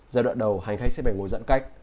giai đoạn đầu hành khách sẽ phải ngồi giãn cách